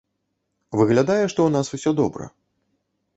Выглядае, што ў нас усё добра.